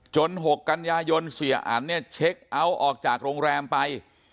๖กันยายนเสียอันเนี่ยเช็คเอาท์ออกจากโรงแรมไป